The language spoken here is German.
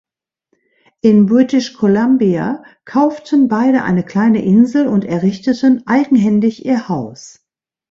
In British Columbia kauften beide eine kleine Insel und errichteten eigenhändig ihr Haus.